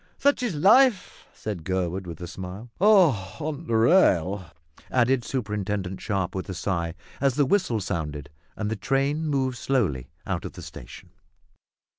"Such is life," said Gurwood with a smile. "On the rail," added Mr Superintendent Sharp with a sigh, as the whistle sounded and the train moved slowly out of the station.